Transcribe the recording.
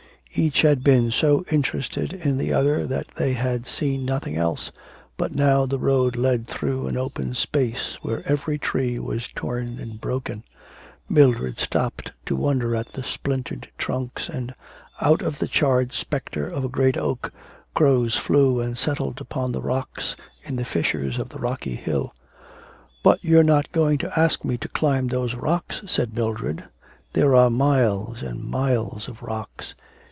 Each had been so interested in the other that they had seen nothing else. But now the road led through an open space where every tree was torn and broken; Mildred stopped to wonder at the splintered trunks; and out of the charred spectre of a great oak crows flew and settled among the rocks, in the fissures of a rocky hill. 'But you're not going to ask me to climb those rocks,' said Mildred. 'There are miles and miles of rocks.